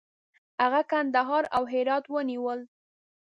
هغه کندهار او هرات ونیول.